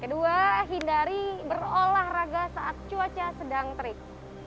kedua hindari berolahraga saat cuaca sedang terik